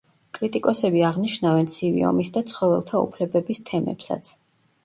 კრიტიკოსები აღნიშნავენ ცივი ომის და ცხოველთა უფლებების თემებსაც.